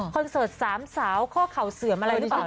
เสิร์ตสามสาวข้อเข่าเสื่อมอะไรหรือเปล่า